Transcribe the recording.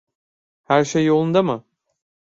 Her sey yolunda mi?